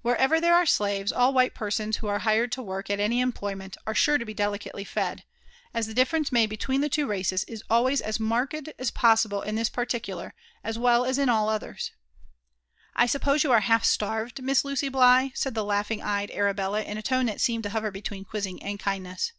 Wherever there are slaves, all white persons who are hired lo work at any employment are sure to he delicalelv fed ; as the dilTiTence made between the two races is always as marked as possible in this particular, as well as in «ll others, I suppose you are half starved, Miss Lucy Bligh ?*^ said ttie kughr JONATHAN JEFFBRSO^i WHITLAW. It| iiig eyed Arabella, in a tone that seemed to hover between quuziag and kindness.